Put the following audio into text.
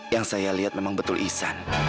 yang saya lihat memang betul ihsan